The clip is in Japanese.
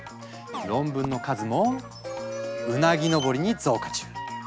論文の数もうなぎ登りに増加中！